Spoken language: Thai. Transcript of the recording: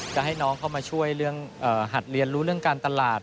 จะให้น้องเข้ามาช่วยเรื่องหัดเรียนรู้เรื่องการตลาด